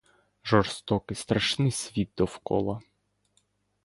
Жорстокий, страшний світ довкола.